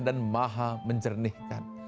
dan maha menjernihkan